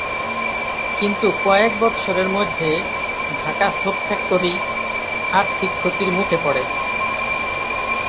কিন্তু কয়েক বৎসরের মধ্যে ঢাকা সোপ ফ্যাক্টরি আর্থিক ক্ষতির মুখে পড়ে।